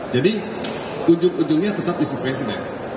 jadi ujung ujungnya tetap istri presiden